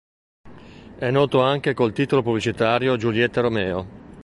È noto anche col titolo pubblicitario Giulietta e Romeo.